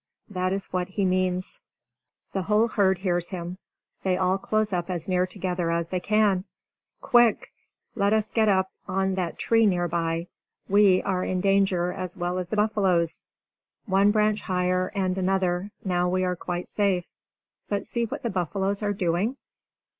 That is what he means. The whole herd hears him. They all close up as near together as they can! Quick! Let us get up on that tree near by! We are in danger as well as the buffaloes! One branch higher and another! Now we are quite safe! But see what the buffaloes are doing!